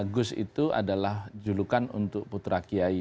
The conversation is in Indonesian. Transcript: gus itu adalah julukan untuk putra kiai